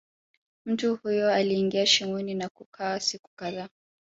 Mtu huyo aliingia shimoni na kukaa siku kadhaa